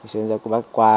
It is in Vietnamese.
xin chào các bác